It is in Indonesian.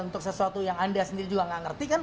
untuk sesuatu yang anda sendiri juga nggak ngerti kan